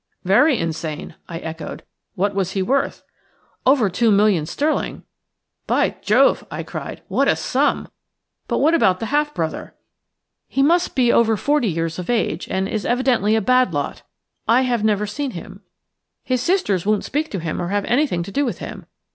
"Very insane," I echoed. "What was he worth?" "Over two million sterling." "By Jove!" I cried, "what a sum! But what about the half brother?" "He must be over forty years of age, and is evidently a bad lot. I have never seen him. His sisters won't speak to him or have anything to do with him.